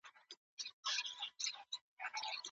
موږ باید له خپلو ملي ګټو دفاع وکړو.